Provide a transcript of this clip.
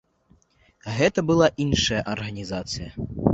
Гэта была іншая арганізацыя.